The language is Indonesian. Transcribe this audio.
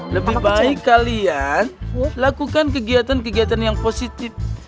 lebih baik kalian lakukan kegiatan kegiatan yang positif